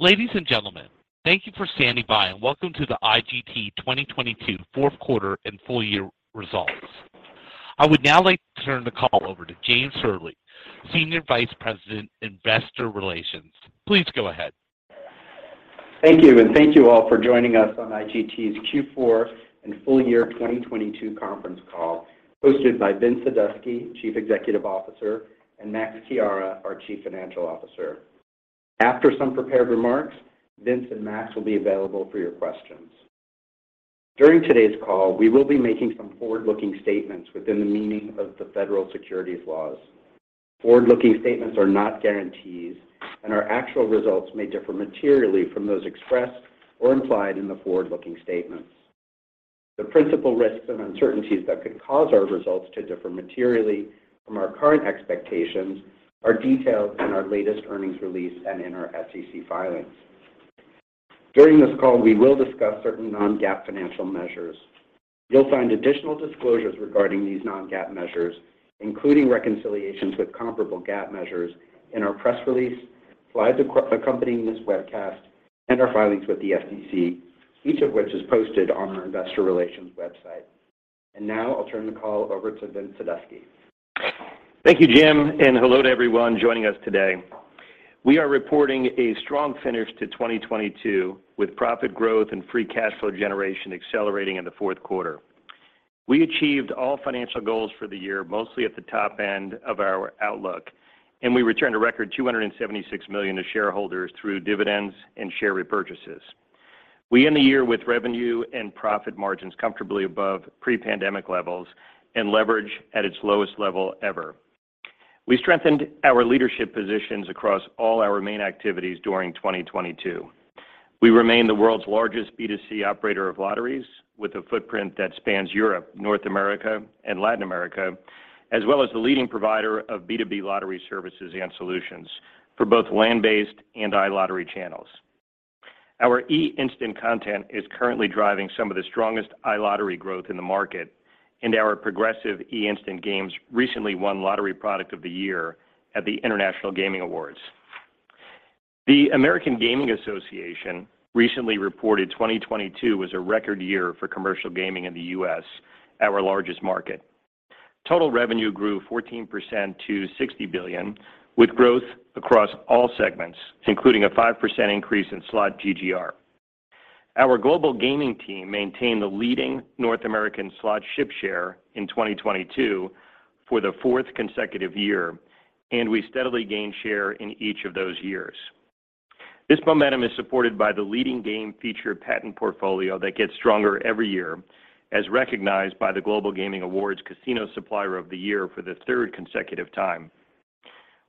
Ladies and gentlemen, thank you for standing by, welcome to the IGT 2022 fourth quarter and full year results. I would now like to turn the call over to James Hurley, Senior Vice President, Investor Relations. Please go ahead. Thank you. Thank you all for joining us on IGT's Q4 and full year 2022 conference call hosted by Vince Sadusky, Chief Executive Officer, and Max Chiara, our Chief Financial Officer. After some prepared remarks, Vince and Max will be available for your questions. During today's call, we will be making some forward-looking statements within the meaning of the federal securities laws. Forward-looking statements are not guarantees, and our actual results may differ materially from those expressed or implied in the forward-looking statements. The principal risks and uncertainties that could cause our results to differ materially from our current expectations are detailed in our latest earnings release and in our SEC filings. During this call, we will discuss certain non-GAAP financial measures. You'll find additional disclosures regarding these non-GAAP measures, including reconciliations with comparable GAAP measures in our press release, slides accompanying this webcast, and our filings with the SEC, each of which is posted on our investor relations website. Now I'll turn the call over to Vincent Sadusky. Thank you, Jim, and hello to everyone joining us today. We are reporting a strong finish to 2022 with profit growth and free cash flow generation accelerating in the fourth quarter. We achieved all financial goals for the year, mostly at the top end of our outlook, and we returned a record $276 million to shareholders through dividends and share repurchases. We end the year with revenue and profit margins comfortably above pre-pandemic levels and leverage at its lowest level ever. We strengthened our leadership positions across all our main activities during 2022. We remain the world's largest B2C operator of lotteries, with a footprint that spans Europe, North America, and Latin America, as well as the leading provider of B2B lottery services and solutions for both land-based and iLottery channels. Our eInstant content is currently driving some of the strongest iLottery growth in the market, and our progressive eInstant games recently won Lottery Product of the Year at the International Gaming Awards. The American Gaming Association recently reported 2022 was a record year for commercial gaming in the U.S., our largest market. Total revenue grew 14% to $60 billion, with growth across all segments, including a 5% increase in slot GGR. Our global gaming team maintained the leading North American slot ship share in 2022 for the 4th consecutive year, and we steadily gained share in each of those years. This momentum is supported by the leading game feature patent portfolio that gets stronger every year, as recognized by the Global Gaming Awards Casino Supplier of the Year for the 3rd consecutive time.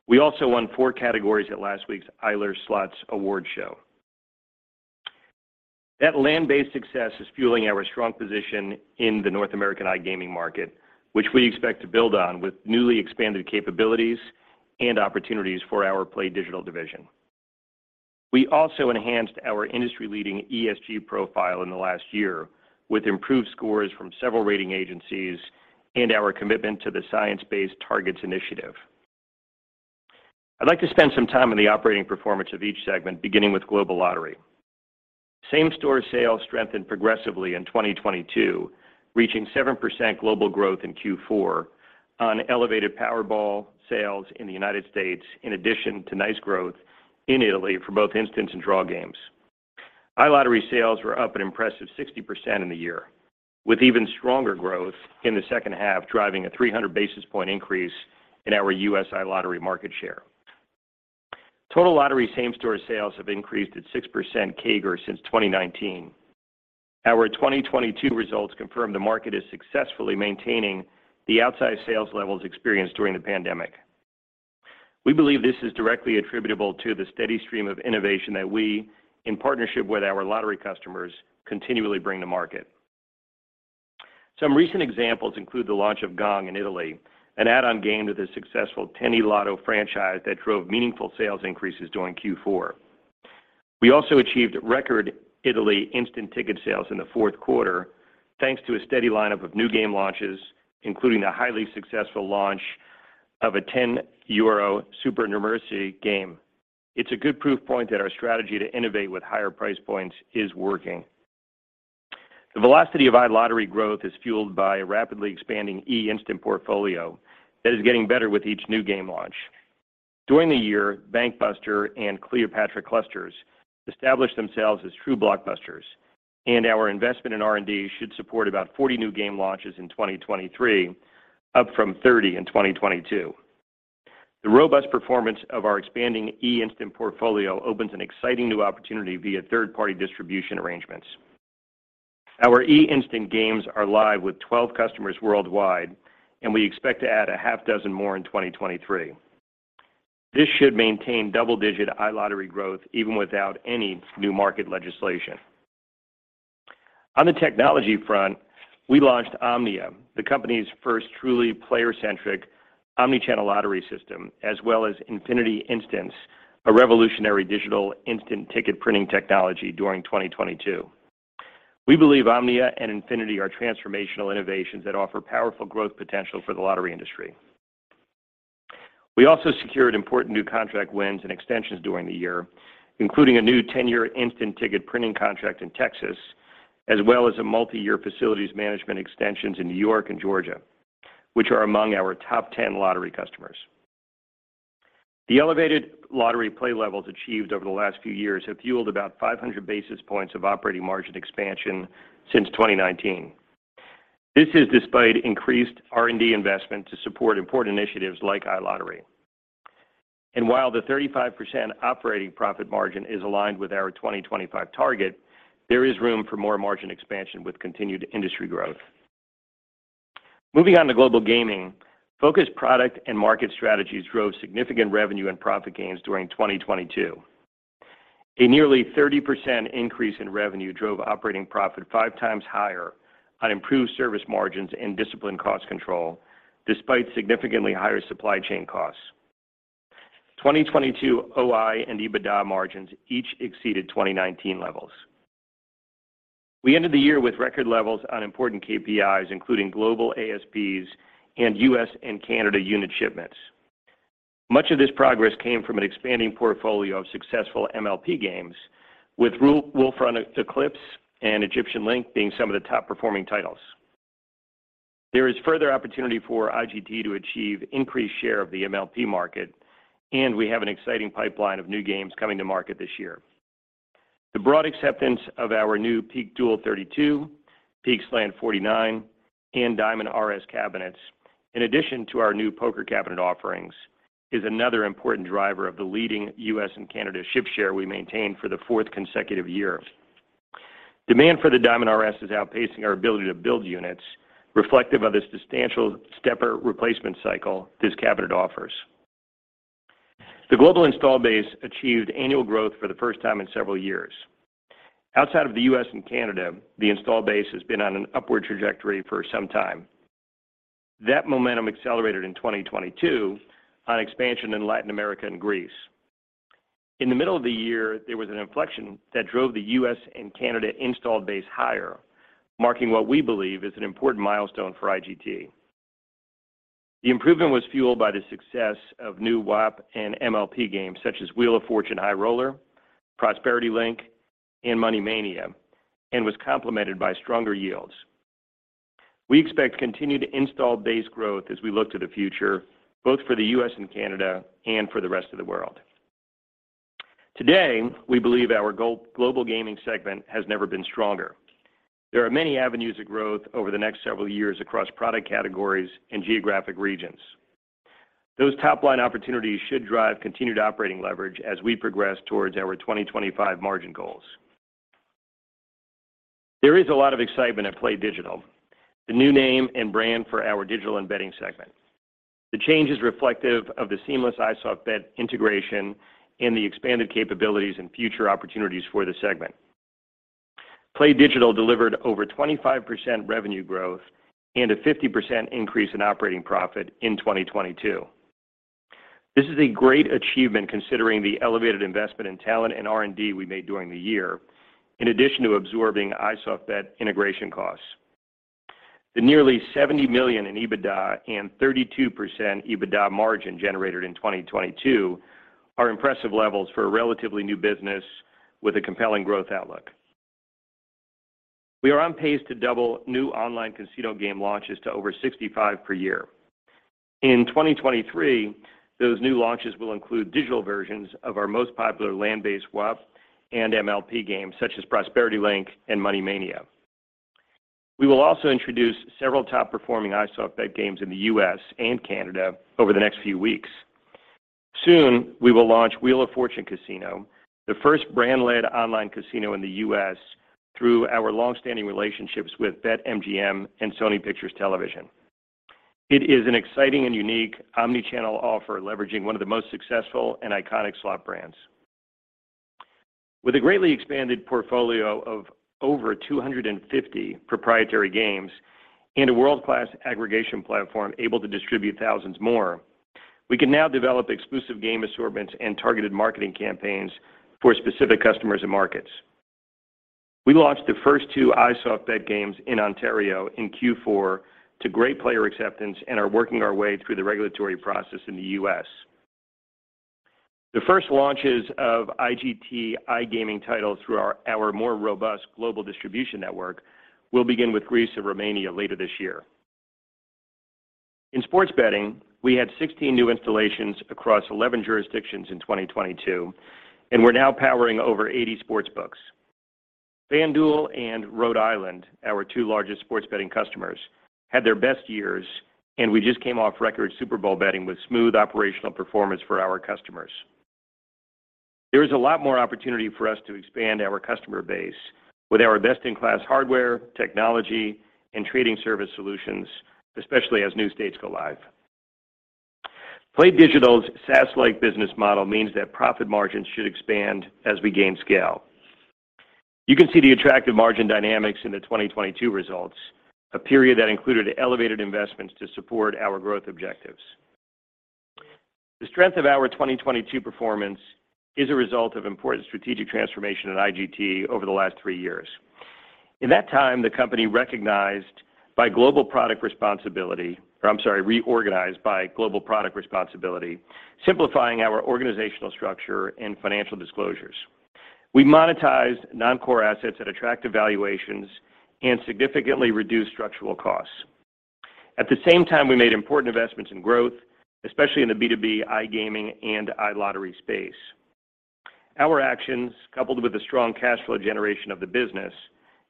We also won 4 categories at last week's EKG Slot Awards. That land-based success is fueling our strong position in the North American iGaming market, which we expect to build on with newly expanded capabilities and opportunities for our PlayDigital division. We also enhanced our industry-leading ESG profile in the last year with improved scores from several rating agencies and our commitment to the Science-Based Targets initiative. I'd like to spend some time on the operating performance of each segment, beginning with Global Lottery. Same-store sales strengthened progressively in 2022, reaching 7% global growth in Q4 on elevated Powerball sales in the United States, in addition to nice growth in Italy for both instant and draw games. iLottery sales were up an impressive 60% in the year, with even stronger growth in the second half, driving a 300 basis point increase in our US iLottery market share. Total lottery same-store sales have increased at 6% CAGR since 2019. Our 2022 results confirm the market is successfully maintaining the outsized sales levels experienced during the pandemic. We believe this is directly attributable to the steady stream of innovation that we, in partnership with our lottery customers, continually bring to market. Some recent examples include the launch of Money Gong in Italy, an add-on game to the successful 10eLotto franchise that drove meaningful sales increases during Q4. We also achieved record Italy instant ticket sales in the fourth quarter, thanks to a steady lineup of new game launches, including the highly successful launch of a 10 euro Super Numerosi game. It's a good proof point that our strategy to innovate with higher price points is working. The velocity of iLottery growth is fueled by a rapidly expanding eInstant portfolio that is getting better with each new game launch. During the year, Bank Buster and Cleopatra Clusters established themselves as true blockbusters, and our investment in R&D should support about 40 new game launches in 2023, up from 30 in 2022. The robust performance of our expanding eInstant portfolio opens an exciting new opportunity via third-party distribution arrangements. Our eInstant games are live with 12 customers worldwide, and we expect to add a half dozen more in 2023. This should maintain double-digit iLottery growth even without any new market legislation. On the technology front, we launched Omnia, the company's first truly player-centric omni-channel lottery system, as well as Infinity Instants, a revolutionary digital instant ticket printing technology during 2022. We believe OMNIA and Infinity are transformational innovations that offer powerful growth potential for the lottery industry. We also secured important new contract wins and extensions during the year, including a new 10-year instant ticket printing contract in Texas, as well as a multi-year facilities management extensions in New York and Georgia, which are among our top 10 lottery customers. The elevated lottery play levels achieved over the last few years have fueled about 500 basis points of operating margin expansion since 2019. This is despite increased R&D investment to support important initiatives like iLottery. While the 35% operating profit margin is aligned with our 2025 target, there is room for more margin expansion with continued industry growth. Moving on to Global Gaming, focused product and market strategies drove significant revenue and profit gains during 2022. A nearly 30% increase in revenue drove operating profit five times higher on improved service margins and disciplined cost control despite significantly higher supply chain costs. 2022 OI and EBITDA margins each exceeded 2019 levels. We ended the year with record levels on important KPIs, including global ASPs and U.S. and Canada unit shipments. Much of this progress came from an expanding portfolio of successful MLP games, with Fu Ru, Wolf Run Eclipse and Egyptian Link being some of the top-performing titles. There is further opportunity for IGT to achieve increased share of the MLP market. We have an exciting pipeline of new games coming to market this year. The broad acceptance of our new PeakDual 32, PeakSlant 49, and DiamondRS cabinets, in addition to our new poker cabinet offerings, is another important driver of the leading U.S. and Canada ship share we maintained for the fourth consecutive year. Demand for the DiamondRS is outpacing our ability to build units reflective of the substantial stepper replacement cycle this cabinet offers. The global install base achieved annual growth for the first time in several years. Outside of the U.S. and Canada, the install base has been on an upward trajectory for some time. That momentum accelerated in 2022 on expansion in Latin America and Greece. In the middle of the year, there was an inflection that drove the U.S. and Canada installed base higher, marking what we believe is an important milestone for IGT. The improvement was fueled by the success of new WAP and MLP games such as Wheel of Fortune High Roller, Prosperity Link, and Money Mania, and was complemented by stronger yields. We expect continued install base growth as we look to the future, both for the U.S. and Canada and for the rest of the world. Today, we believe our global gaming segment has never been stronger. There are many avenues of growth over the next several years across product categories and geographic regions. Those top-line opportunities should drive continued operating leverage as we progress towards our 2025 margin goals. There is a lot of excitement at PlayDigital, the new name and brand for our Digital & Betting segment. The change is reflective of the seamless iSoftBet integration and the expanded capabilities and future opportunities for the segment. PlayDigital delivered over 25% revenue growth and a 50% increase in operating profit in 2022. This is a great achievement considering the elevated investment in talent and R&D we made during the year, in addition to absorbing iSoftBet integration costs. The nearly $70 million in EBITDA and 32% EBITDA margin generated in 2022 are impressive levels for a relatively new business with a compelling growth outlook. We are on pace to double new online casino game launches to over 65 per year. In 2023, those new launches will include digital versions of our most popular land-based WAP and MLP games, such as Prosperity Link and Money Mania. We will also introduce several top-performing iSoftBet games in the U.S. and Canada over the next few weeks. Soon, we will launch Wheel of Fortune Casino, the first brand-led online casino in the U.S. through our long-standing relationships with BetMGM and Sony Pictures Television. It is an exciting and unique omni-channel offer leveraging one of the most successful and iconic slot brands. With a greatly expanded portfolio of over 250 proprietary games and a world-class aggregation platform able to distribute thousands more, we can now develop exclusive game assortments and targeted marketing campaigns for specific customers and markets. We launched the first two iSoftBet games in Ontario in Q4 to great player acceptance and are working our way through the regulatory process in the U.S. The first launches of IGT iGaming titles through our more robust global distribution network will begin with Greece and Romania later this year. In sports betting, we had 16 new installations across 11 jurisdictions in 2022, and we're now powering over 80 sports books. FanDuel and Rhode Island, our two largest sports betting customers, had their best years, and we just came off record Super Bowl betting with smooth operational performance for our customers. There is a lot more opportunity for us to expand our customer base with our best-in-class hardware, technology, and trading service solutions, especially as new states go live. PlayDigital's SaaS-like business model means that profit margins should expand as we gain scale. You can see the attractive margin dynamics in the 2022 results, a period that included elevated investments to support our growth objectives. The strength of our 2022 performance is a result of important strategic transformation at IGT over the last three years. In that time, the company reorganized by global product responsibility, simplifying our organizational structure and financial disclosures. We monetized non-core assets at attractive valuations and significantly reduced structural costs. At the same time, we made important investments in growth, especially in the B2B iGaming and iLottery space. Our actions, coupled with the strong cash flow generation of the business,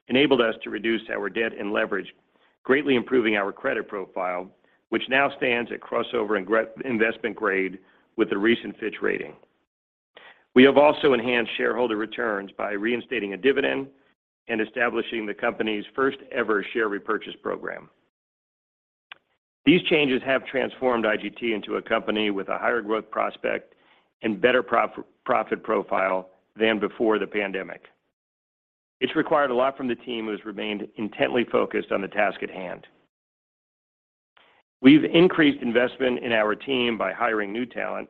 enabled us to reduce our debt and leverage, greatly improving our credit profile, which now stands at crossover investment grade with a recent Fitch rating. We have also enhanced shareholder returns by reinstating a dividend and establishing the company's first-ever share repurchase program. These changes have transformed IGT into a company with a higher growth prospect and better profit profile than before the pandemic. It's required a lot from the team, who has remained intently focused on the task at hand. We've increased investment in our team by hiring new talent,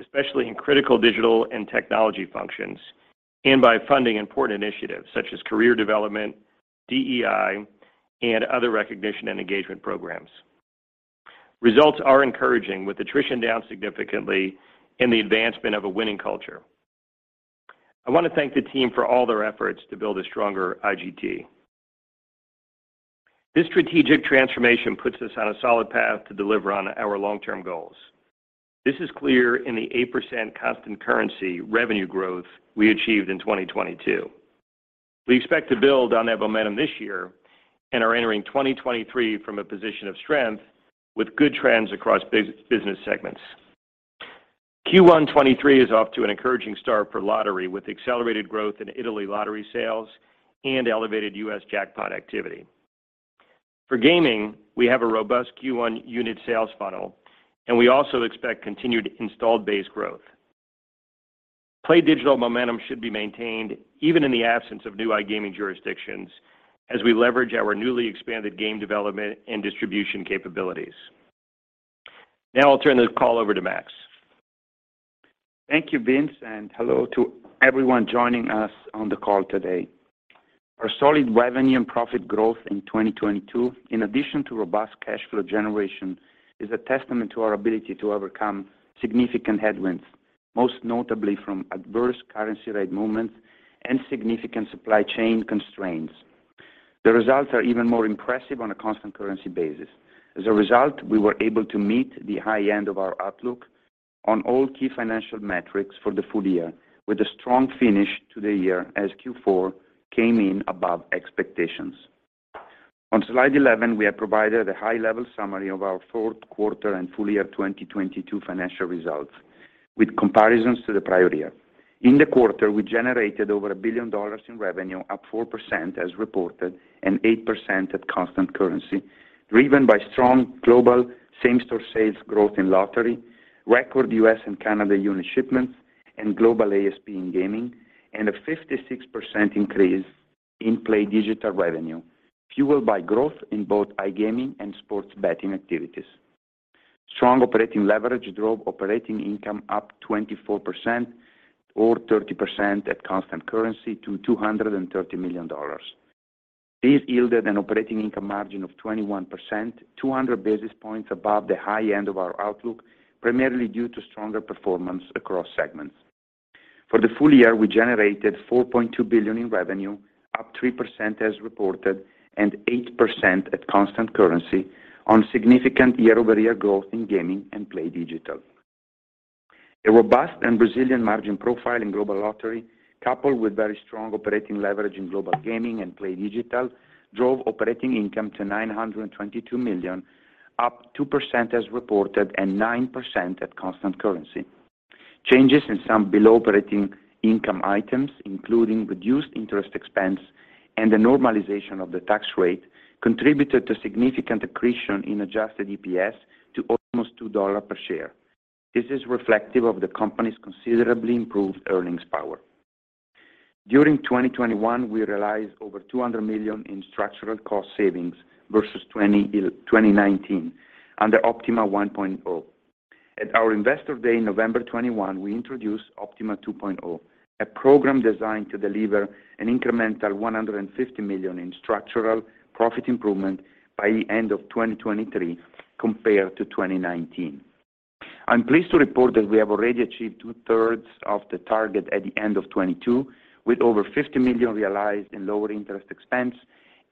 especially in critical digital and technology functions, and by funding important initiatives such as career development, DEI, and other recognition and engagement programs. Results are encouraging, with attrition down significantly in the advancement of a winning culture. I want to thank the team for all their efforts to build a stronger IGT. This strategic transformation puts us on a solid path to deliver on our long-term goals. This is clear in the 8% constant currency revenue growth we achieved in 2022. We expect to build on that momentum this year and are entering 2023 from a position of strength with good trends across business segments. Q1 2023 is off to an encouraging start for lottery, with accelerated growth in Italy lottery sales and elevated U.S. jackpot activity. For gaming, we have a robust Q1 unit sales funnel, and we also expect continued installed base growth. PlayDigital momentum should be maintained even in the absence of new iGaming jurisdictions as we leverage our newly expanded game development and distribution capabilities. Now I'll turn the call over to Max. Thank you, Vince, and hello to everyone joining us on the call today. Our solid revenue and profit growth in 2022, in addition to robust cash flow generation, is a testament to our ability to overcome significant headwinds, most notably from adverse currency rate movements and significant supply chain constraints. The results are even more impressive on a constant currency basis. As a result, we were able to meet the high end of our outlook on all key financial metrics for the full year, with a strong finish to the year as Q4 came in above expectations. On slide 11, we have provided a high-level summary of our fourth quarter and full year 2022 financial results with comparisons to the prior year. In the quarter, we generated over $1 billion in revenue, up 4% as reported and 8% at constant currency, driven by strong global same-store sales growth in lottery, record U.S. and Canada unit shipments, and global ASP in gaming, and a 56% increase in PlayDigital revenue, fueled by growth in both iGaming and sports betting activities. Strong operating leverage drove operating income up 24% or 30% at constant currency to $230 million. This yielded an operating income margin of 21%, 200 basis points above the high end of our outlook, primarily due to stronger performance across segments. For the full year, we generated $4.2 billion in revenue, up 3% as reported and 8% at constant currency on significant year-over-year growth in gaming and PlayDigital. A robust and resilient margin profile in Global Lottery, coupled with very strong operating leverage in global gaming and PlayDigital, drove operating income to $922 million, up 2% as reported and 9% at constant currency. Changes in some below operating income items, including reduced interest expense and the normalization of the tax rate, contributed to significant accretion in adjusted EPS to almost $2 per share. This is reflective of the company's considerably improved earnings power. During 2021, we realized over $200 million in structural cost savings versus 2019 under Optima 1.0. At our Investor Day, November 21, we introduced Optima 2.0, a program designed to deliver an incremental $150 million in structural profit improvement by the end of 2023 compared to 2019. I'm pleased to report that we have already achieved two-thirds of the target at the end of 2022, with over $50 million realized in lower interest expense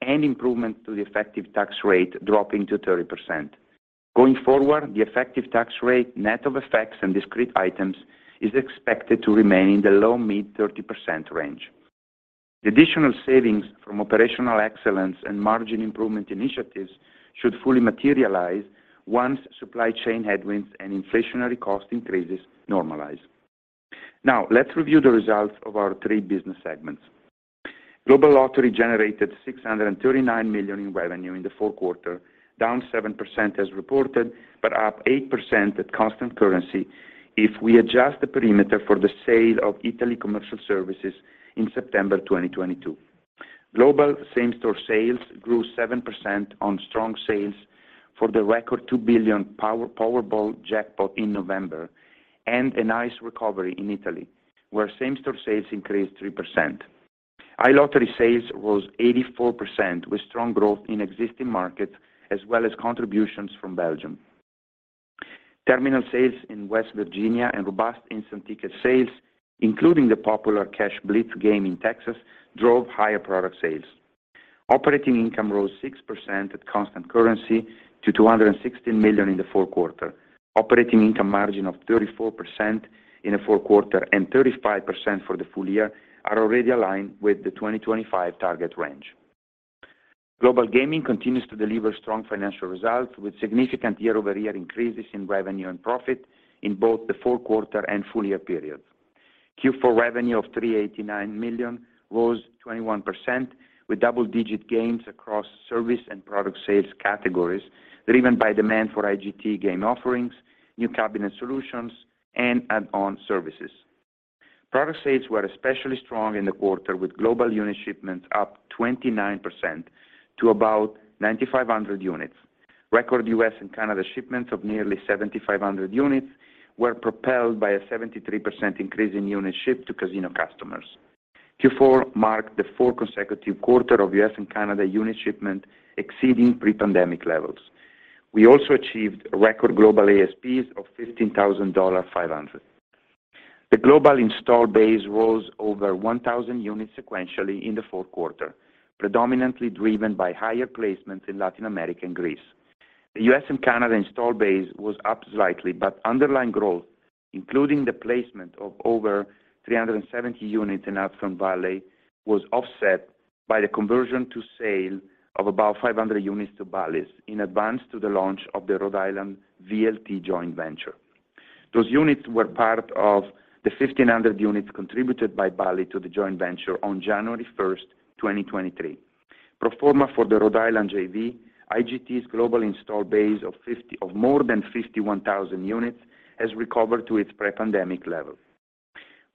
and improvement to the effective tax rate dropping to 30%. Going forward, the effective tax rate, net of effects and discrete items, is expected to remain in the low, mid 30% range. The additional savings from operational excellence and margin improvement initiatives should fully materialize once supply chain headwinds and inflationary cost increases normalize. Let's review the results of our three business segments. Global Lottery generated $639 million in revenue in the fourth quarter, down 7% as reported, but up 8% at constant currency if we adjust the perimeter for the sale of Italy Commercial Services in September 2022. Global same-store sales grew 7% on strong sales. For the record, $2 billion Powerball jackpot in November and a nice recovery in Italy, where same-store sales increased 3%. iLottery sales rose 84% with strong growth in existing markets as well as contributions from Belgium. Terminal sales in West Virginia and robust instant ticket sales, including the popular Cash Blitz game in Texas, drove higher product sales. Operating income rose 6% at constant currency to $216 million in the fourth quarter. Operating income margin of 34% in the fourth quarter and 35% for the full year are already aligned with the 2025 target range. Global gaming continues to deliver strong financial results with significant year-over-year increases in revenue and profit in both the fourth quarter and full year period. Q4 revenue of $389 million rose 21% with double-digit gains across service and product sales categories, driven by demand for IGT game offerings, new cabinet solutions, and add-on services. Product sales were especially strong in the quarter with global unit shipments up 29% to about 9,500 units. Record U.S. and Canada shipments of nearly 7,500 units were propelled by a 73% increase in units shipped to casino customers. Q4 marked the fourth consecutive quarter of U.S. and Canada unit shipment exceeding pre-pandemic levels. We also achieved record global ASPs of $15,500. The global install base rose over 1,000 units sequentially in the fourth quarter, predominantly driven by higher placements in Latin America and Greece. The U.S. and Canada install base was up slightly. Underlying growth, including the placement of over 370 units in Hudson Valley, was offset by the conversion to sale of about 500 units to Bally's in advance to the launch of the Rhode Island VLT joint venture. Those units were part of the 1,500 units contributed by Bally's to the joint venture on January 1, 2023. Pro forma for the Rhode Island JV, IGT's global install base of more than 51,000 units has recovered to its pre-pandemic level.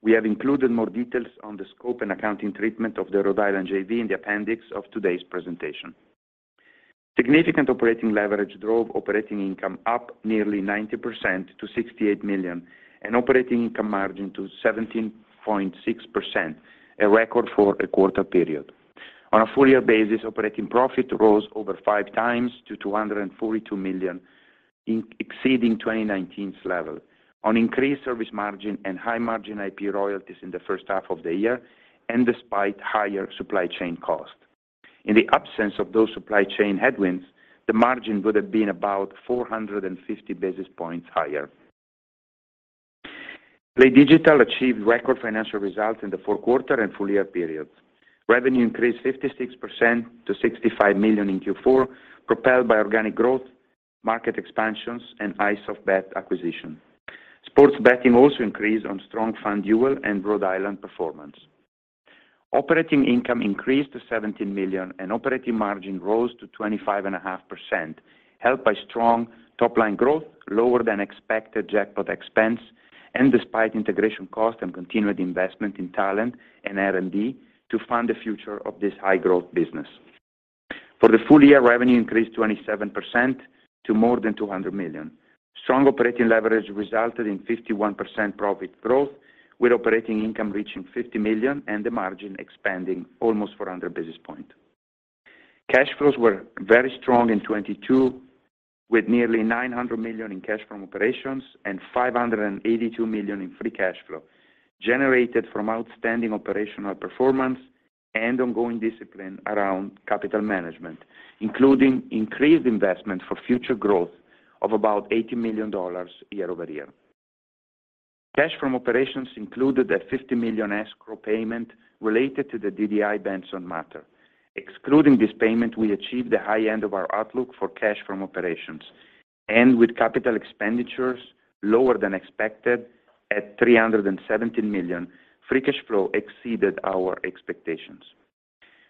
We have included more details on the scope and accounting treatment of the Rhode Island JV in the appendix of today's presentation. Significant operating leverage drove operating income up nearly 90% to $68 million and operating income margin to 17.6%, a record for a quarter period. On a full year basis, operating profit rose over 5 times to $242 million exceeding 2019's level on increased service margin and high margin IP royalties in the first half of the year and despite higher supply chain costs. In the absence of those supply chain headwinds, the margin would have been about 450 basis points higher. PlayDigital achieved record financial results in the fourth quarter and full year periods. Revenue increased 56% to $65 million in Q4, propelled by organic growth, market expansions and iSoftBet acquisition. Sports betting also increased on strong FanDuel and Rhode Island performance. Operating income increased to $17 million. Operating margin rose to 25.5%, helped by strong top-line growth, lower than expected jackpot expense and despite integration costs and continued investment in talent and R&D to fund the future of this high-growth business. For the full year, revenue increased 27% to more than $200 million. Strong operating leverage resulted in 51% profit growth, with operating income reaching $50 million and the margin expanding almost 400 basis points. Cash flows were very strong in 2022, with nearly $900 million in cash from operations and $582 million in free cash flow generated from outstanding operational performance and ongoing discipline around capital management, including increased investment for future growth of about $80 million year-over-year. Cash from operations included a $50 million escrow payment related to the DDI/Benson matter. Excluding this payment, we achieved the high end of our outlook for cash from operations. With capital expenditures lower than expected at $317 million, free cash flow exceeded our expectations.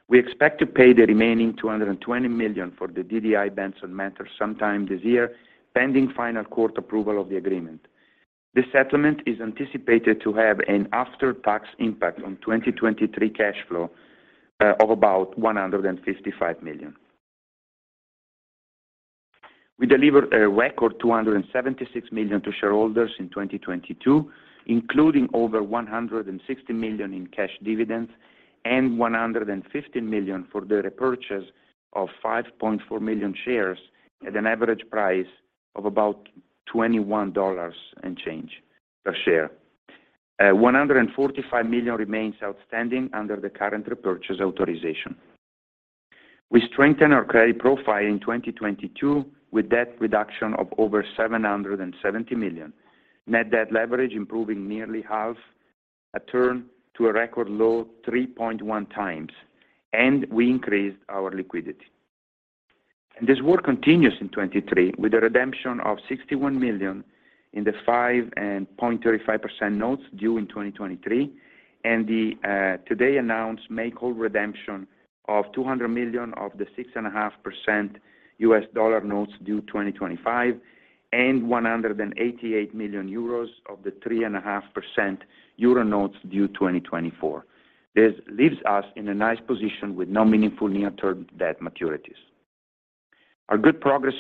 We expect to pay the remaining $220 million for the DDI/Benson matter sometime this year, pending final court approval of the agreement. This settlement is anticipated to have an after-tax impact on 2023 cash flow of about $155 million. We delivered a record $276 million to shareholders in 2022, including over $160 million in cash dividends and $150 million for the repurchase of 5.4 million shares at an average price of about $21 and change per share. One hundred and forty-five million remains outstanding under the current repurchase authorization. We strengthened our credit profile in 2022 with debt reduction of over $770 million, net debt leverage improving nearly half a turn to a record low 3.1 times, and we increased our liquidity. This work continues in 2023 with the redemption of $61 million in the 5.35% notes due in 2023, and the today announced make-whole redemption of $200 million of the 6.5% US dollar notes due 2025 and 188 million euros of the 3.5% euro notes due 2024. This leaves us in a nice position with no meaningful near-term debt maturities. Our good progress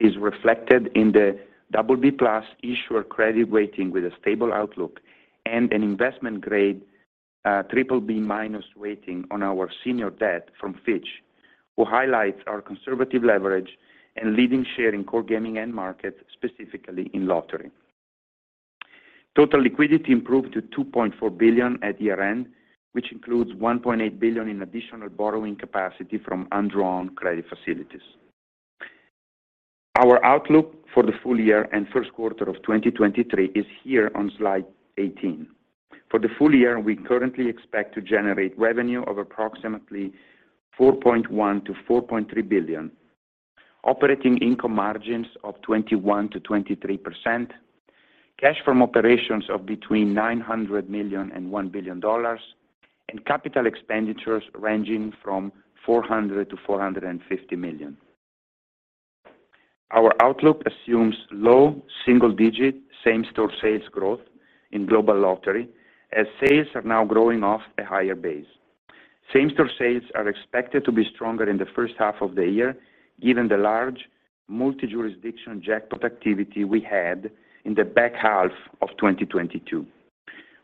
is reflected in the BB+ issuer credit rating with a stable outlook and an investment-grade BBB- rating on our senior debt from Fitch, who highlights our conservative leverage and leading share in core gaming end markets, specifically in lottery. Total liquidity improved to $2.4 billion at year-end, which includes $1.8 billion in additional borrowing capacity from undrawn credit facilities. Our outlook for the full year and first quarter of 2023 is here on slide 18. For the full year, we currently expect to generate revenue of approximately $4.1 billion-$4.3 billion, operating income margins of 21%-23%, cash from operations of between $900 million and $1 billion, and capital expenditures ranging from $400 million-$450 million. Our outlook assumes low single-digit same-store sales growth in Global Lottery as sales are now growing off a higher base. Same-store sales are expected to be stronger in the first half of the year, given the large multi-jurisdiction jackpot activity we had in the back half of 2022.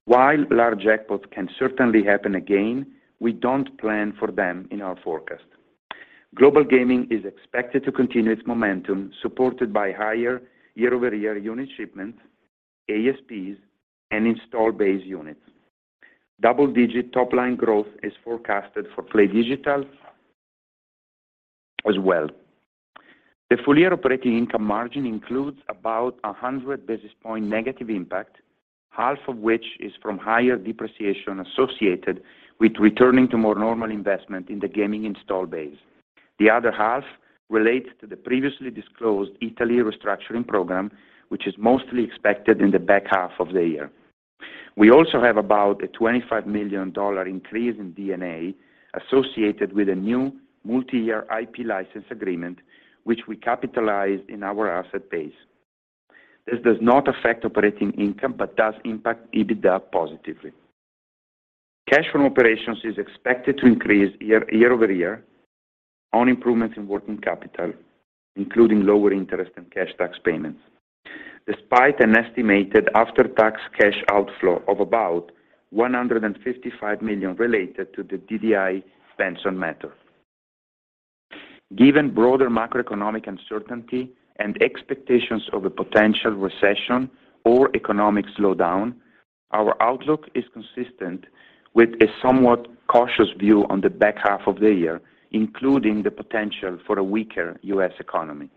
While large jackpots can certainly happen again, we don't plan for them in our forecast. Global Gaming is expected to continue its momentum, supported by higher year-over-year unit shipments, ASPs, and install base units. Double-digit top-line growth is forecasted for PlayDigital as well. The full-year operating income margin includes about a 100 basis point negative impact, half of which is from higher depreciation associated with returning to more normal investment in the gaming install base. The other half relates to the previously disclosed Italy restructuring program, which is mostly expected in the back half of the year. We also have about a $25 million increase in D&A associated with a new multi-year IP license agreement, which we capitalized in our asset base. This does not affect operating income but does impact EBITDA positively. Cash from operations is expected to increase year-over-year on improvements in working capital, including lower interest and cash tax payments, despite an estimated after-tax cash outflow of about $155 million related to the DDI/Benson matter. Given broader macroeconomic uncertainty and expectations of a potential recession or economic slowdown, our outlook is consistent with a somewhat cautious view on the back half of the year, including the potential for a weaker U.S. economy.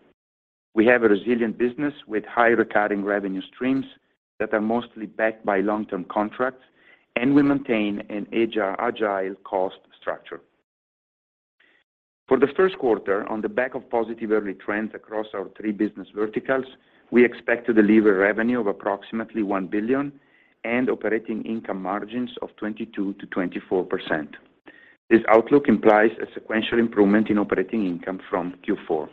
We have a resilient business with high recurring revenue streams that are mostly backed by long-term contracts, and we maintain an agile cost structure. For the first quarter, on the back of positive early trends across our three business verticals, we expect to deliver revenue of approximately $1 billion and operating income margins of 22%-24%. This outlook implies a sequential improvement in operating income from Q4.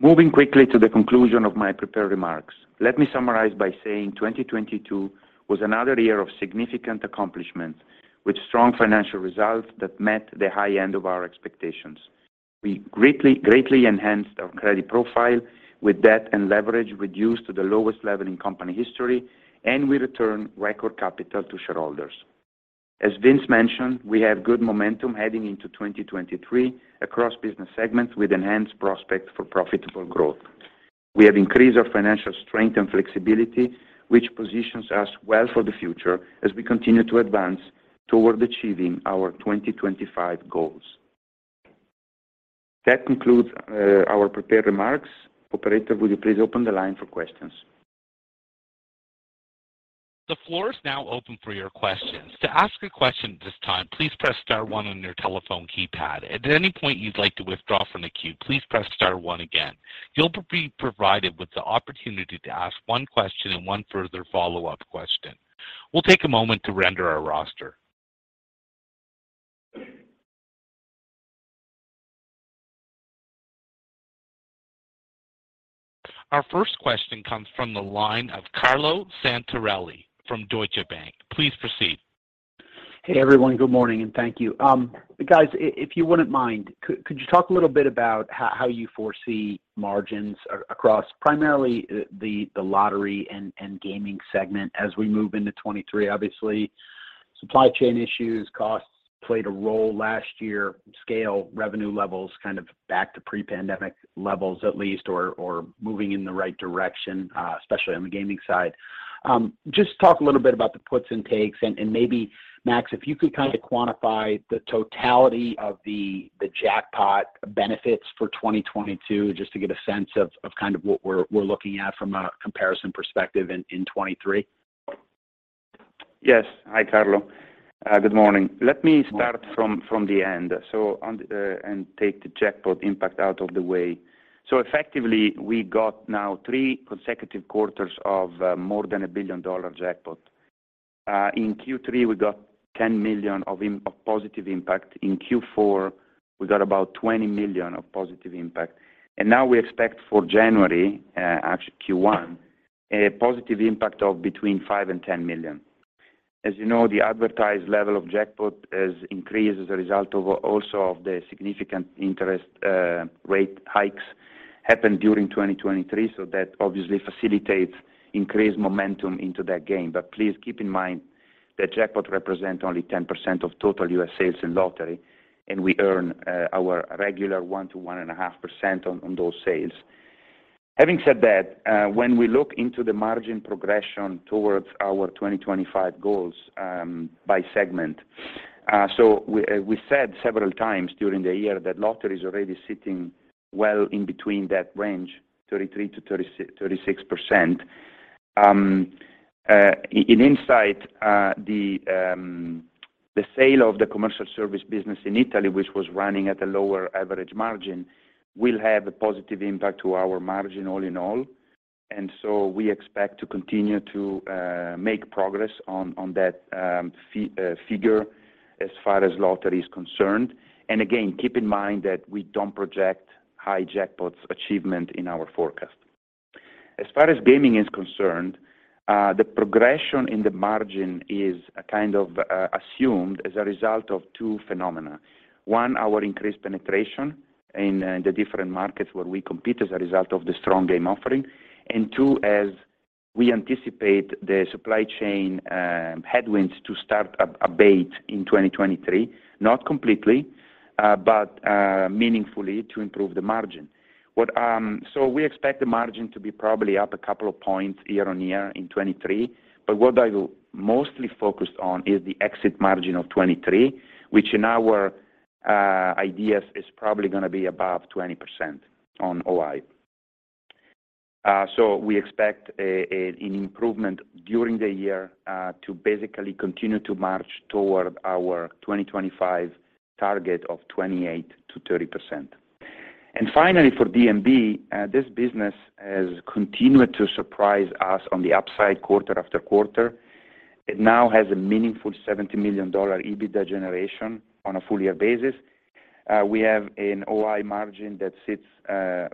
Moving quickly to the conclusion of my prepared remarks, let me summarize by saying 2022 was another year of significant accomplishment with strong financial results that met the high end of our expectations. We greatly enhanced our credit profile with debt and leverage reduced to the lowest level in company history, and we returned record capital to shareholders. As Vince mentioned, we have good momentum heading into 2023 across business segments with enhanced prospects for profitable growth. We have increased our financial strength and flexibility, which positions us well for the future as we continue to advance toward achieving our 2025 goals. That concludes our prepared remarks. Operator, would you please open the line for questions? The floor is now open for your questions. To ask a question at this time, please press star one on your telephone keypad. At any point you'd like to withdraw from the queue, please press star one again. You'll be provided with the opportunity to ask one question and one further follow-up question. We'll take a moment to render our roster. Our first question comes from the line of Carlo Santarelli from Deutsche Bank. Please proceed. Hey, everyone. Good morning. Thank you. Guys, if you wouldn't mind, could you talk a little bit about how you foresee margins across primarily the lottery and gaming segment as we move into 23? Obviously, supply chain issues, costs played a role last year, scale revenue levels kind of back to pre-pandemic levels at least, or moving in the right direction, especially on the gaming side. Just talk a little bit about the puts and takes and maybe Max, if you could kind of quantify the totality of the jackpot benefits for 2022, just to get a sense of kind of what we're looking at from a comparison perspective in 23. Yes. Hi, Carlo Santarelli. Good morning. Let me start from the end and take the jackpot impact out of the way. Effectively, we got now 3 consecutive quarters of more than a billion-dollar jackpot. In Q3, we got $10 million of positive impact. In Q4, we got about $20 million of positive impact. Now we expect for January, actually Q1, a positive impact of between $5 million and $10 million. As you know, the advertised level of jackpot has increased as a result of also of the significant interest rate hikes happened during 2023, that obviously facilitates increased momentum into that game. Please keep in mind that jackpot represent only 10% of total U.S. sales in lottery, and we earn our regular 1%-1.5% on those sales. Having said that, when we look into the margin progression towards our 2025 goals, by segment, we said several times during the year that lottery is already sitting well in between that range, 33%-36%. Inside, the sale of the commercial service business in Italy, which was running at a lower average margin, will have a positive impact to our margin all in all. We expect to continue to make progress on that figure as far as lottery is concerned. Again, keep in mind that we don't project high jackpots achievement in our forecast. As far as gaming is concerned, the progression in the margin is kind of assumed as a result of two phenomena. 1, our increased penetration in the different markets where we compete as a result of the strong game offering. 2, as we anticipate the supply chain headwinds to start abate in 2023, not completely, but meaningfully to improve the margin. We expect the margin to be probably up 2 points year-over-year in 23, but what I will mostly focus on is the exit margin of 23, which in our ideas is probably gonna be above 20% on OI. We expect an improvement during the year to basically continue to march toward our 2025 target of 28%-30%. Finally, for D&B, this business has continued to surprise us on the upside quarter after quarter. It now has a meaningful $70 million EBITDA generation on a full year basis. We have an OI margin that sits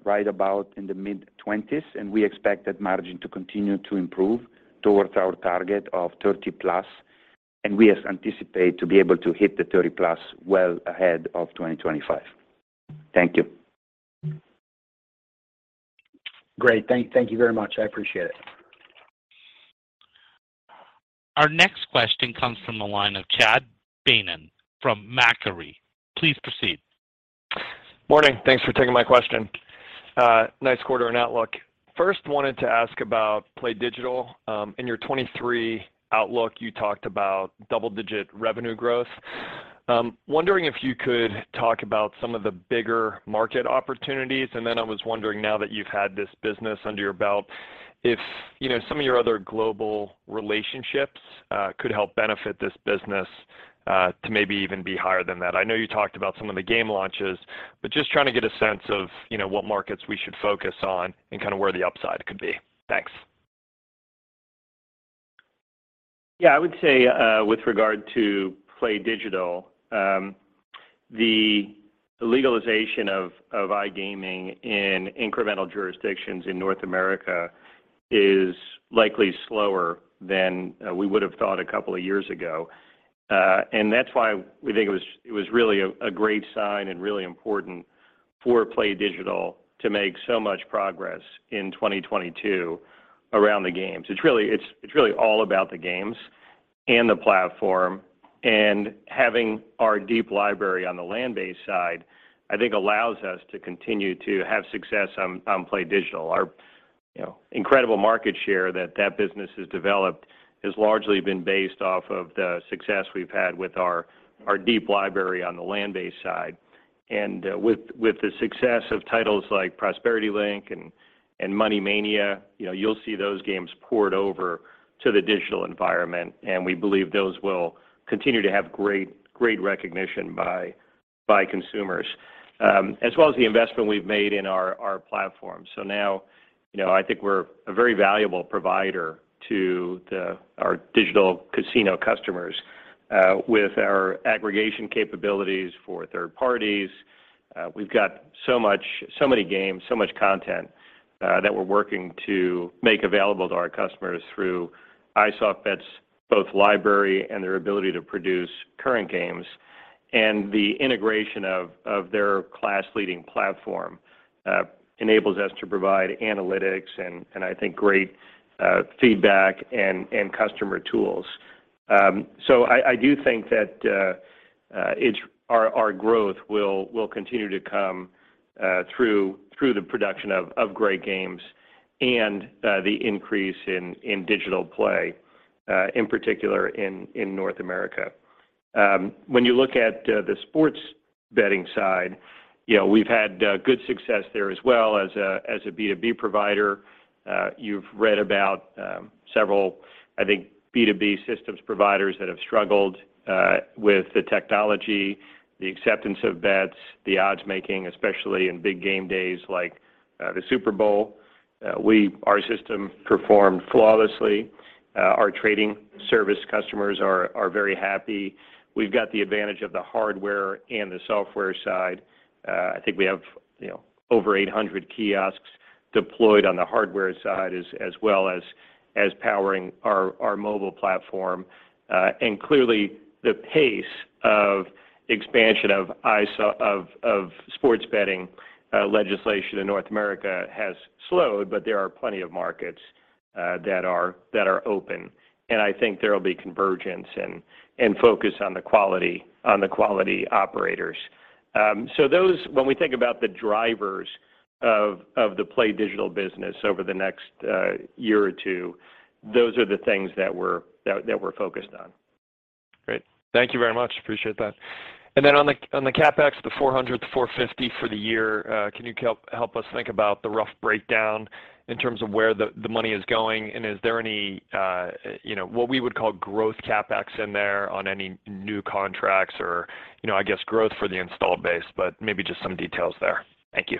right about in the mid-twenties, and we expect that margin to continue to improve towards our target of 30 plus, and we anticipate to be able to hit the 30 plus well ahead of 2025. Thank you. Great. Thank you very much. I appreciate it. Our next question comes from the line of Chad Beynon from Macquarie. Please proceed. Morning. Thanks for taking my question. Nice quarter and outlook. First, wanted to ask about PlayDigital. In your 2023 outlook, you talked about double-digit revenue growth. Wondering if you could talk about some of the bigger market opportunities. I was wondering now that you've had this business under your belt, if, you know, some of your other global relationships, could help benefit this business, to maybe even be higher than that. I know you talked about some of the game launches, but just trying to get a sense of, you know, what markets we should focus on and kind of where the upside could be. Thanks. Yeah, I would say, with regard to PlayDigital, the legalization of iGaming in incremental jurisdictions in North America is likely slower than we would have thought a couple of years ago. That's why we think it was really a great sign and really important for PlayDigital to make so much progress in 2022 around the games. It's really, it's really all about the games and the platform, and having our deep library on the land-based side, I think, allows us to continue to have success on PlayDigital. Our, you know, incredible market share that business has developed has largely been based off of the success we've had with our deep library on the land-based side. With the success of titles like Prosperity Link and Money Mania, you know, you'll see those games poured over to the digital environment, and we believe those will continue to have great recognition by consumers. As well as the investment we've made in our platform. Now, you know, I think we're a very valuable provider to our digital casino customers with our aggregation capabilities for third parties. We've got so much, so many games, so much content that we're working to make available to our customers through iSoftBet's both library and their ability to produce current games. The integration of their class-leading platform enables us to provide analytics and I think great feedback and customer tools. I do think that our growth will continue to come through the production of great games and the increase in digital play in particular in North America. When you look at the sports betting side, you know, we've had good success there as well as a B2B provider. You've read about several, I think, B2B systems providers that have struggled with the technology, the acceptance of bets, the odds-making, especially in big game days like the Super Bowl. Our system performed flawlessly. Our trading service customers are very happy. We've got the advantage of the hardware and the software side. I think we have, you know, over 800 kiosks deployed on the hardware side as well as powering our mobile platform. Clearly the pace of expansion of sports betting legislation in North America has slowed, but there are plenty of markets that are open. I think there will be convergence and focus on the quality operators. Those when we think about the drivers of the PlayDigital business over the next year or two, those are the things that we're focused on. Great. Thank you very much. Appreciate that. Then on the CapEx, the $400-$450 for the year, can you help us think about the rough breakdown in terms of where the money is going? Is there any, you know, what we would call growth CapEx in there on any new contracts or, you know, I guess growth for the installed base, but maybe just some details there. Thank you.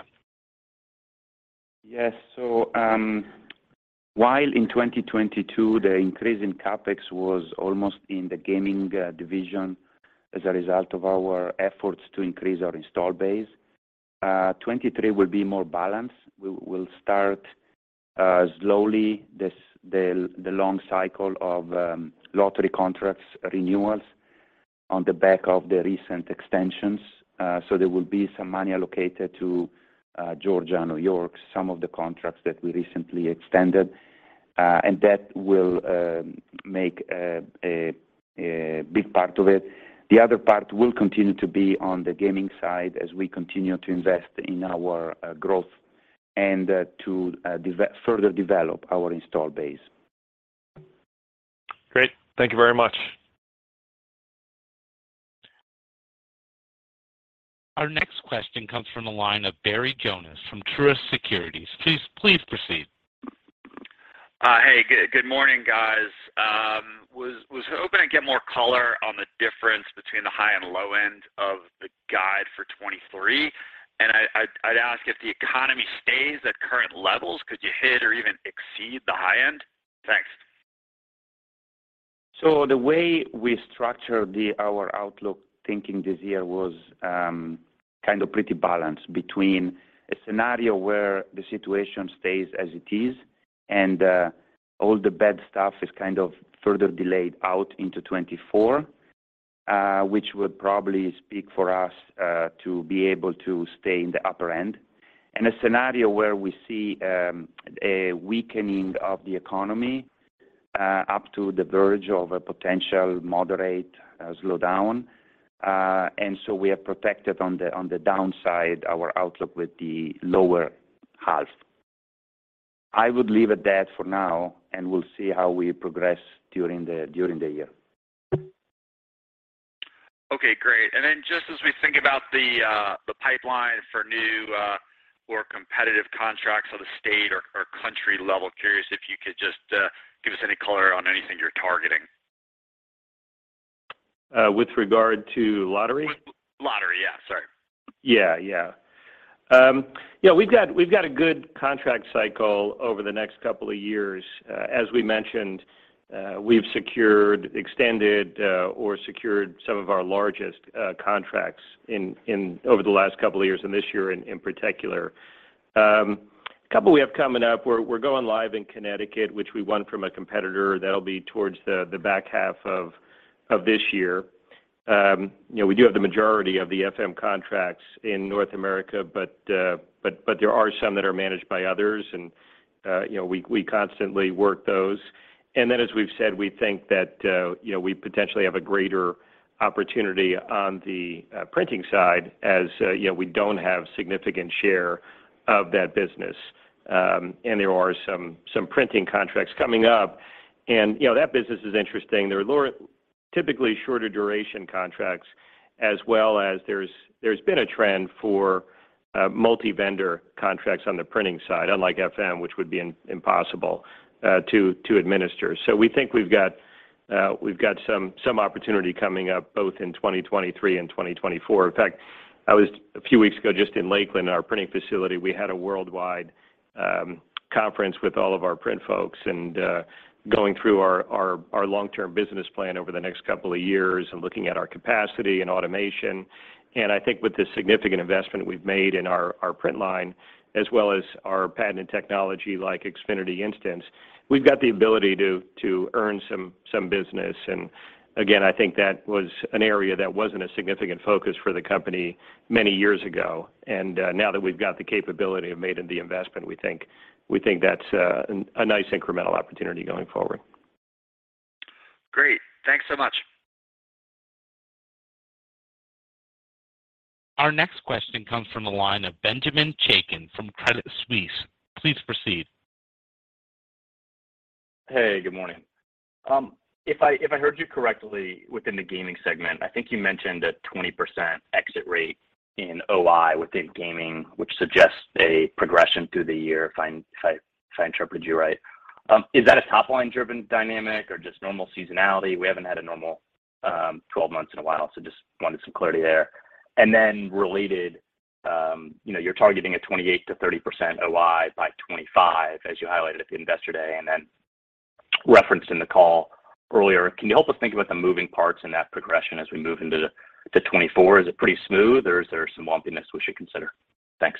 While in 2022, the increase in CapEx was almost in the gaming division as a result of our efforts to increase our install base, 2023 will be more balanced. We'll start slowly the long cycle of lottery contracts renewals on the back of the recent extensions. There will be some money allocated to Georgia and New York, some of the contracts that we recently extended, and that will make a big part of it. The other part will continue to be on the gaming side as we continue to invest in our growth and to further develop our install base. Great. Thank you very much. Our next question comes from the line of Barry Jonas from Truist Securities. Please proceed. Hey, good morning, guys. was hoping to get more color on the difference between the high and low end of the guide for 2023. I'd ask if the economy stays at current levels, could you hit or even exceed the high end? Thanks. The way we structure our outlook thinking this year was kind of pretty balanced between a scenario where the situation stays as it is and all the bad stuff is kind of further delayed out into 2024, which would probably speak for us to be able to stay in the upper end. In a scenario where we see a weakening of the economy up to the verge of a potential moderate slowdown. We are protected on the downside, our outlook with the lower half. I would leave it at that for now, and we'll see how we progress during the year. Okay, great. Just as we think about the pipeline for new, more competitive contracts on the state or country level, curious if you could just give us any color on anything you're targeting? With regard to lottery? Lottery, yeah. Sorry. Yeah, yeah. Yeah, we've got a good contract cycle over the next couple of years. As we mentioned, we've secured, extended, or secured some of our largest contracts in over the last couple of years and this year in particular. A couple we have coming up, we're going live in Connecticut, which we won from a competitor. That'll be towards the back half of this year. You know, we do have the majority of the FM contracts in North America, but there are some that are managed by others. You know, we constantly work those. As we've said, we think that, you know, we potentially have a greater opportunity on the printing side as, you know, we don't have significant share of that business. There are some printing contracts coming up. You know, that business is interesting. They're typically shorter duration contracts, as well as there's been a trend for multi-vendor contracts on the printing side, unlike FM, which would be impossible to administer. We think we've got some opportunity coming up both in 2023 and 2024. In fact, I was a few weeks ago, just in Lakeland, our printing facility, we had a worldwide conference with all of our print folks and going through our long-term business plan over the next couple of years and looking at our capacity and automation. I think with the significant investment we've made in our print line as well as our patented technology like Infinity Instants, we've got the ability to earn some business. Again, I think that was an area that wasn't a significant focus for the company many years ago. Now that we've got the capability of making the investment, we think that's a nice incremental opportunity going forward. Great. Thanks so much. Our next question comes from a line of Benjamin Chaiken from Credit Suisse. Please proceed. Hey, good morning. If I heard you correctly within the gaming segment, I think you mentioned a 20% exit rate in OI within gaming, which suggests a progression through the year, if I interpreted you right. Is that a top-line-driven dynamic or just normal seasonality? We haven't had a normal 12 months in a while, so just wanted some clarity there. Related, you know, you're targeting a 28%-30% OI by 2025, as you highlighted at the Investor Day, and referenced in the call earlier. Can you help us think about the moving parts in that progression as we move into 2024? Is it pretty smooth or is there some lumpiness we should consider? Thanks.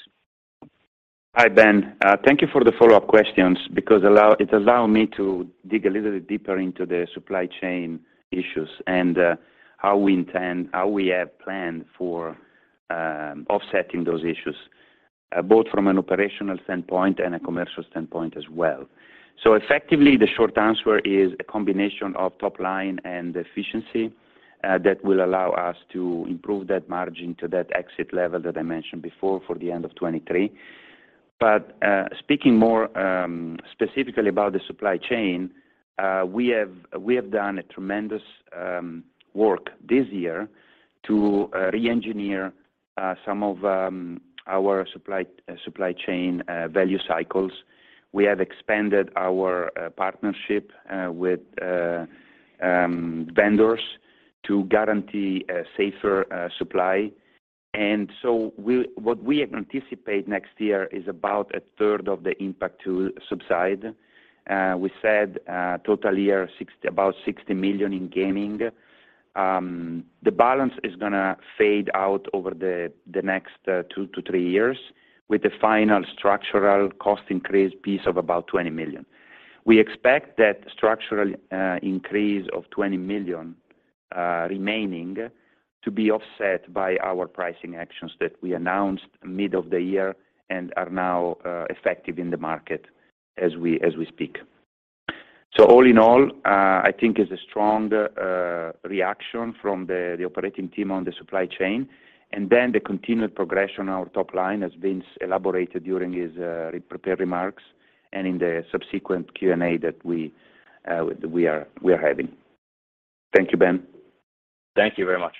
Hi, Ben. Thank you for the follow-up questions because it allow me to dig a little bit deeper into the supply chain issues and how we have planned for offsetting those issues both from an operational standpoint and a commercial standpoint as well. Effectively, the short answer is a combination of top line and efficiency that will allow us to improve that margin to that exit level that I mentioned before for the end of 2023. Speaking more specifically about the supply chain, we have done a tremendous work this year to reengineer some of our supply chain value cycles. We have expanded our partnership with vendors to guarantee a safer supply. What we anticipate next year is about a third of the impact to subside. We said total year sixty-- about $60 million in gaming. The balance is gonna fade out over the next 2 to 3 years with the final structural cost increase piece of about $20 million. We expect that structural increase of $20 million remaining to be offset by our pricing actions that we announced mid of the year and are now effective in the market as we speak. All in all, I think it's a strong reaction from the operating team on the supply chain, and then the continued progression on our top line has been elaborated during his prepared remarks and in the subsequent Q&A that we are having. Thank you, Ben. Thank you very much.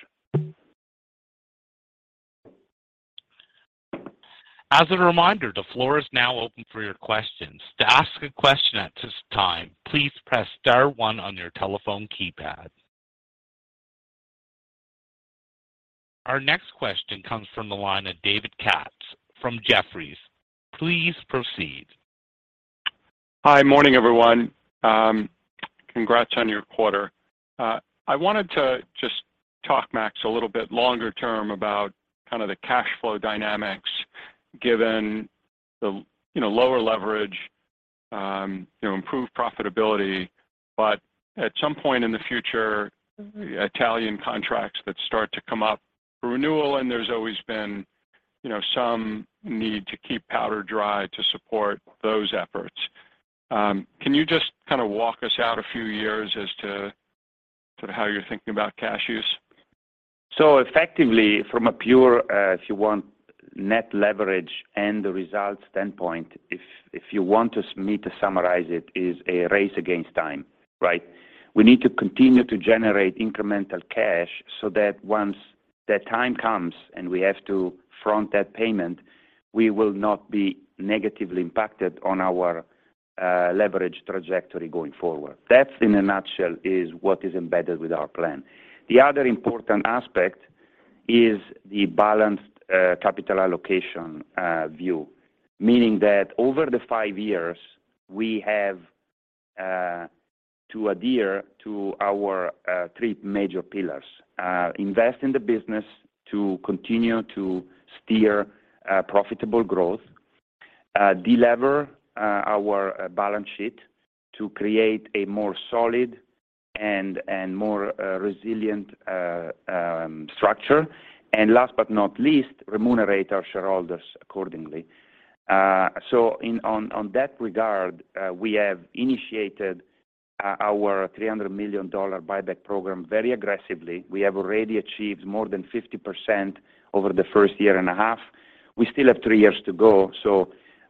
As a reminder, the floor is now open for your questions. To ask a question at this time, please press star one on your telephone keypad. Our next question comes from the line of David Katz from Jefferies. Please proceed. Hi. Morning, everyone. Congrats on your quarter. I wanted to just talk, Max, a little bit longer term about kind of the cash flow dynamics, given the, you know, lower leverage, you know, improved profitability. At some point in the future, Italian contracts that start to come up for renewal, and there's always been, you know, some need to keep powder dry to support those efforts. Can you just kind of walk us out a few years as to sort of how you're thinking about cash use? Effectively from a pure, if you want net leverage and the results standpoint, if you want me to summarize it, is a race against time, right? We need to continue to generate incremental cash so that once that time comes and we have to front that payment, we will not be negatively impacted on our leverage trajectory going forward. That, in a nutshell, is what is embedded with our plan. The other important aspect is the balanced capital allocation view. Meaning that over the 5 years, we have to adhere to our 3 major pillars: invest in the business to continue to steer profitable growth, de-lever our balance sheet to create a more solid and more resilient structure. Last but not least, remunerate our shareholders accordingly. On that regard, we have initiated our $300 million buyback program very aggressively. We have already achieved more than 50% over the first year and a half. We still have three years to go.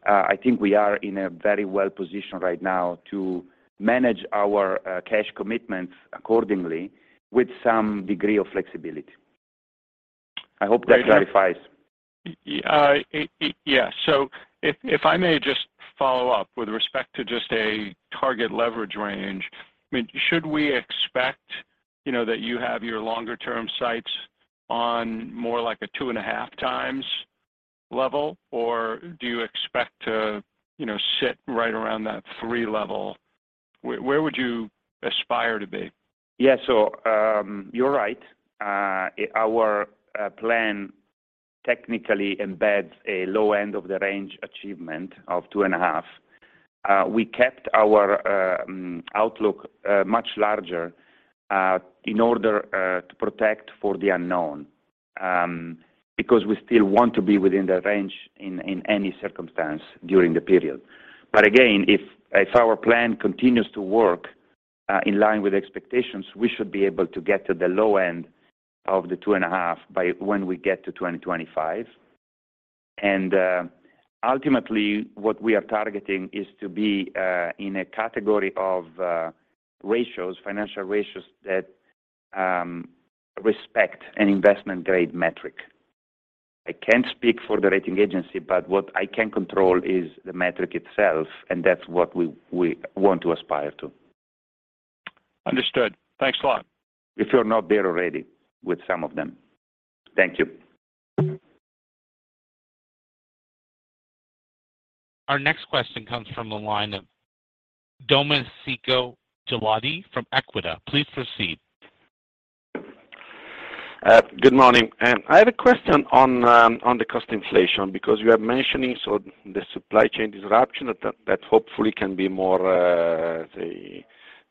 I think we are in a very well position right now to manage our cash commitments accordingly with some degree of flexibility. I hope that clarifies. Yeah. If I may just follow up with respect to just a target leverage range. I mean, should we expect, you know, that you have your longer term sights on more like a 2.5 times level? Do you expect to, you know, sit right around that 3 level? Where would you aspire to be? Yeah. You're right. Our plan technically embeds a low end of the range achievement of 2.5. We kept our outlook much larger in order to protect for the unknown because we still want to be within that range in any circumstance during the period. Again, if our plan continues to work in line with expectations, we should be able to get to the low end of the 2.5 by when we get to 2025. Ultimately what we are targeting is to be in a category of ratios, financial ratios that respect an investment-grade metric. I can't speak for the rating agency, but what I can control is the metric itself, and that's what we want to aspire to. Understood. Thanks a lot. If you're not there already with some of them. Thank you. Our next question comes from the line of Domenico Ghilotti from Equita. Please proceed. Good morning. I have a question on the cost inflation because you are mentioning so the supply chain disruption that hopefully can be more, say,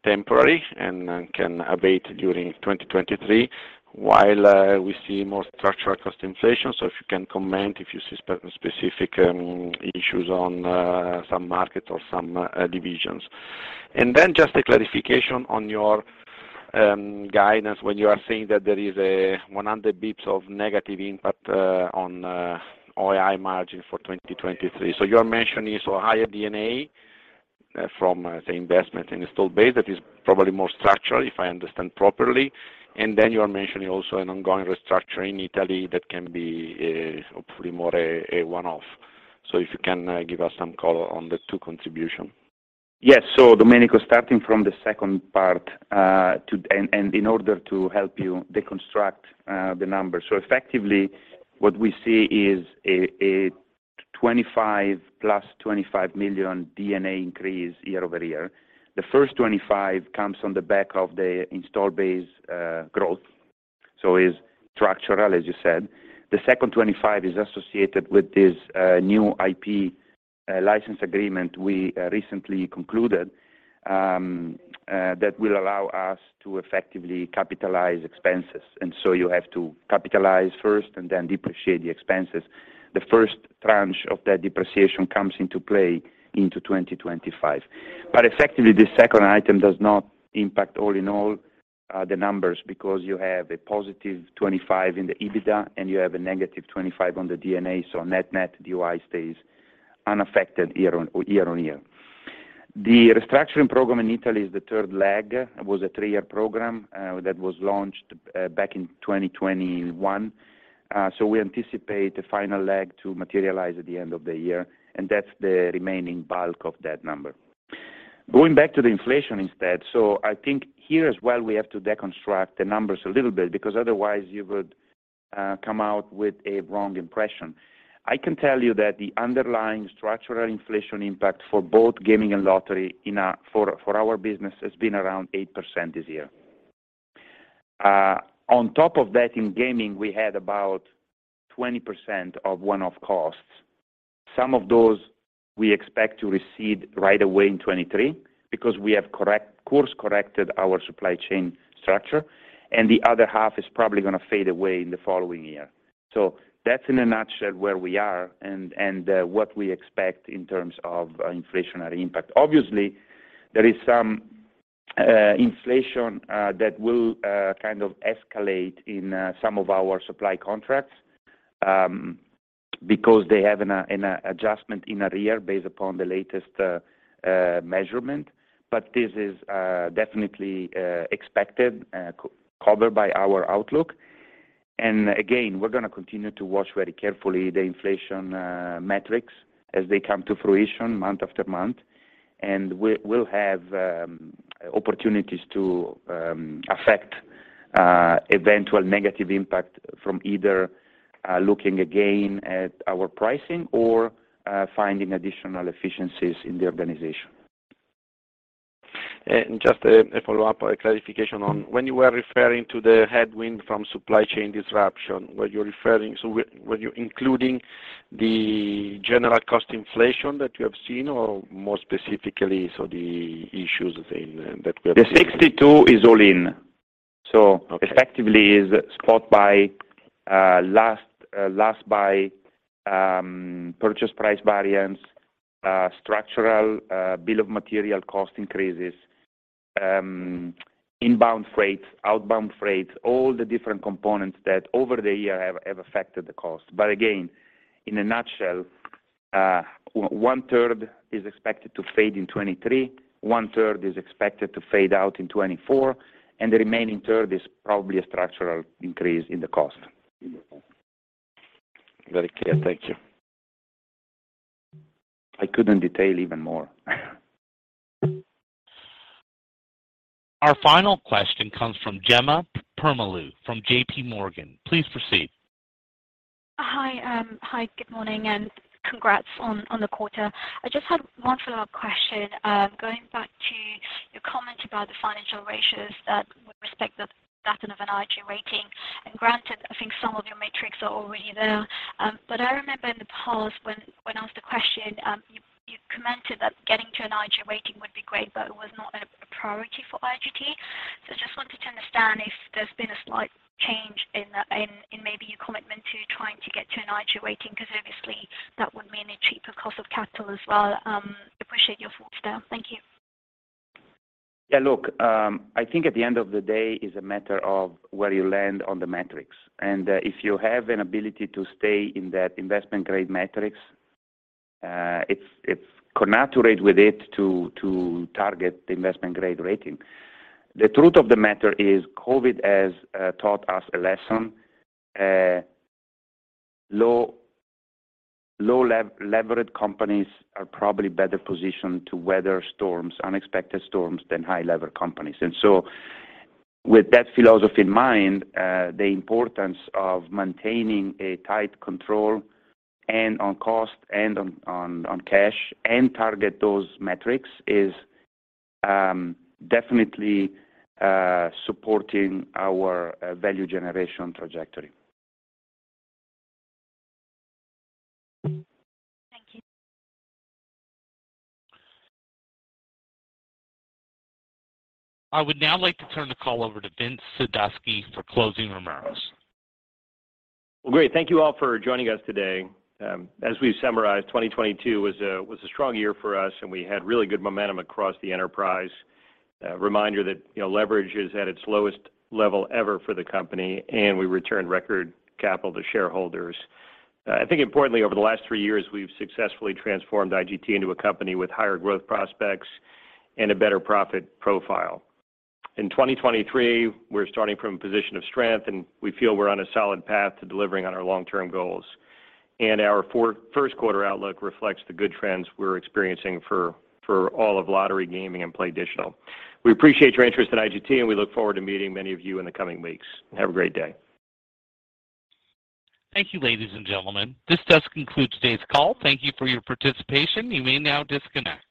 temporary and then can abate during 2023 while we see more structural cost inflation. If you can comment if you see specific issues on some markets or some divisions. Just a clarification on your guidance when you are saying that there is a 100 basis points of negative impact on OI margin for 2023. You are mentioning so higher D&A from the investment in install base that is probably more structural, if I understand properly. You are mentioning also an ongoing restructuring in Italy that can be hopefully more a one-off. If you can give us some color on the two contribution. Yes. Domenico, starting from the second part, in order to help you deconstruct the numbers. Effectively, what we see is a $25 million plus $25 million D&A increase year-over-year. The first $25 million comes on the back of the install base growth. It's structural, as you said. The second $25 million is associated with this new IP license agreement we recently concluded that will allow us to effectively capitalize expenses. You have to capitalize first and then depreciate the expenses. The first tranche of that depreciation comes into play into 2025. Effectively, the second item does not impact all in all, the numbers because you have a positive 25 in the EBITDA, and you have a negative 25 on the D&A, net net, DOI stays unaffected year on year. The restructuring program in Italy is the third leg. It was a 3-year program, that was launched, back in 2021. We anticipate the final leg to materialize at the end of the year, and that's the remaining bulk of that number. Going back to the inflation instead, I think here as well, we have to deconstruct the numbers a little bit because otherwise you would come out with a wrong impression. I can tell you that the underlying structural inflation impact for both gaming and lottery for our business has been around 8% this year. On top of that, in gaming, we had about 20% of one-off costs. Some of those we expect to recede right away in 2023 because we have course-corrected our supply chain structure, and the other half is probably gonna fade away in the following year. That's in a nutshell where we are and what we expect in terms of inflationary impact. Obviously, there is some inflation that will kind of escalate in some of our supply contracts, because they have an adjustment in a year based upon the latest measurement. This is definitely expected co-covered by our outlook. Again, we're gonna continue to watch very carefully the inflation metrics as they come to fruition month after month. We'll have opportunities to affect eventual negative impact from either looking again at our pricing or finding additional efficiencies in the organization. Just a follow-up or a clarification on when you were referring to the headwind from supply chain disruption, were you including the general cost inflation that you have seen or more specifically, the issues in that we are seeing? The 62 is all in. Okay. Effectively is spot buy, last buy, purchase price variance, structural, bill of material cost increases, inbound freight, outbound freight, all the different components that over the year have affected the cost. Again, in a nutshell, one-third is expected to fade in 2023, one-third is expected to fade out in 2024, and the remaining third is probably a structural increase in the cost. Very clear. Thank you. I couldn't detail even more. Our final question comes from Jemma Permalloo from JP Morgan. Please proceed. Hi. Hi, good morning, and congrats on the quarter. I just had one follow-up question, going back to your comment about the financial ratios that with respect of attaining an IG rating. And granted, I think some of your metrics are already there. I remember in the past when asked the question, you commented that getting to an IG rating would be great, but it was not a priority for IGT. I just wanted to understand if there's been a slight change in maybe your commitment to trying to get to an IG rating, because obviously that would mean a cheaper cost of capital as well. Appreciate your thoughts there. Thank you. Yeah. Look, I think at the end of the day, it's a matter of where you land on the metrics. If you have an ability to stay in that investment grade metrics, it's connaturate with it to target the investment grade rating. The truth of the matter is COVID has taught us a lesson. Low-leveraged companies are probably better positioned to weather storms, unexpected storms than high-lever companies. With that philosophy in mind, the importance of maintaining a tight control and on cost and on cash and target those metrics is definitely supporting our value generation trajectory. Thank you. I would now like to turn the call over to Vincent Sadusky for closing remarks. Well, great. Thank you all for joining us today. As we've summarized, 2022 was a strong year for us, we had really good momentum across the enterprise. A reminder that, you know, leverage is at its lowest level ever for the company, we returned record capital to shareholders. I think importantly, over the last 3 years, we've successfully transformed IGT into a company with higher growth prospects and a better profit profile. In 2023, we're starting from a position of strength, we feel we're on a solid path to delivering on our long-term goals. Our first quarter outlook reflects the good trends we're experiencing for all of lottery, gaming, and PlayDigital. We appreciate your interest in IGT, we look forward to meeting many of you in the coming weeks. Have a great day. Thank you, ladies and gentlemen. This does conclude today's call. Thank you for your participation. You may now disconnect.